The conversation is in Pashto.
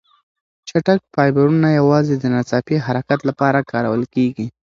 چټک فایبرونه یوازې د ناڅاپي حرکت لپاره کارول کېږي.